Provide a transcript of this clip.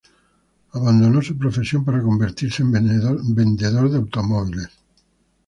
Abandonó su profesión para convertirse en vendedor de automóviles.